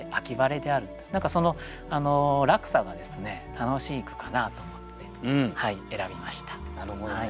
何かその落差が楽しい句かなと思って選びました。